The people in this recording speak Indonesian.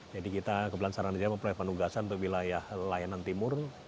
jadi kita kebelasan rana rana mempunyai penugasan untuk wilayah layanan timur